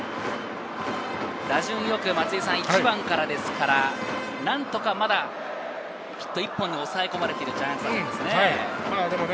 打順よく１番からですからヒット１本に抑え込まれているジャイアンツですね。